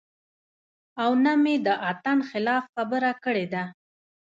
او نۀ مې د اتڼ خلاف خبره کړې ده -